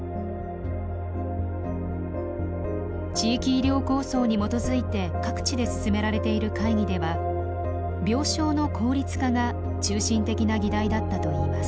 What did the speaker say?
地域医療構想に基づいて各地で進められている会議では病床の効率化が中心的な議題だったといいます。